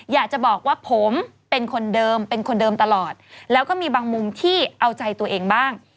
อยากจะบอกว่าผมเป็นคนเดิมเป็นคนเดิมตลอดแล้วก็มีบางมุมที่เอาใจตัวเองบ้าง